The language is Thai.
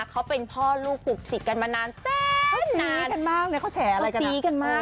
เขาเป็นพ่อลูกกลุ่มสิดกันมานานแซ่นนานเขาสีกันมากเลยเขาแฉอะไรกันเออสีกันมาก